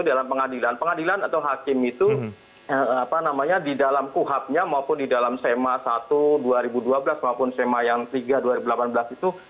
dalam pengadilan pengadilan atau hakim itu di dalam kuhabnya maupun di dalam sema satu dua ribu dua belas maupun sema yang tiga dua ribu delapan belas itu